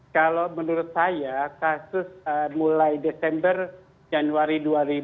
kalau menurut saya kasus mulai desember januari dua ribu dua puluh